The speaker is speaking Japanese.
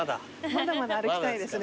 まだまだ歩きたいですね。